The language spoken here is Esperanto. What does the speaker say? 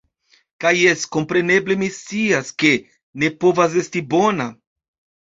Kaj jes, kompreneble, mi scias, ke ne povas esti bona.